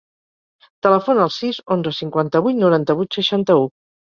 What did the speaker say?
Telefona al sis, onze, cinquanta-vuit, noranta-vuit, seixanta-u.